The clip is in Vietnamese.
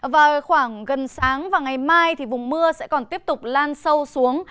vào khoảng gần sáng và ngày mai thì vùng mưa sẽ còn tiếp tục lan sâu xuống